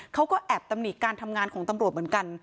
เขาก็แอบตำหนิการทำงานของตำรวจเหมือนกัน